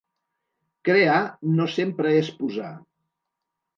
Crear no sempre és posar.